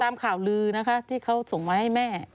ตามข่าวลือนะคะที่เขาส่งมาให้แม่